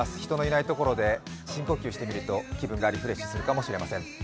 人のいないところで深呼吸してみると気分がリフレッシュするかもしれません。